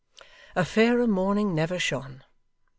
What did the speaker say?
A fairer morning never shone.